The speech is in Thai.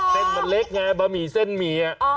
แต่มันเล็กแม่บะหมี่เส้นหมี่